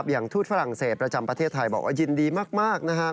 ทูตฝรั่งเศสประจำประเทศไทยบอกว่ายินดีมากนะครับ